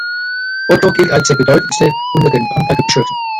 Otto gilt als der bedeutendste unter den Bamberger Bischöfen.